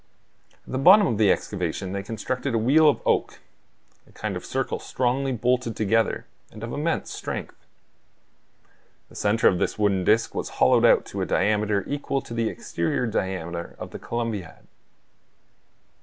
At the bottom of the excavation they constructed a wheel of oak, a kind of circle strongly bolted together, and of immense strength. The center of this wooden disc was hollowed out to a diameter equal to the exterior diameter of the Columbiad.